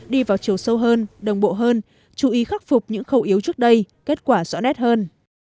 đi vào chiều sâu hơn đồng bộ hơn chú ý khắc phục những khâu yếu trước đây kết quả rõ nét hơn